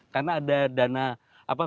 karena ada dana apa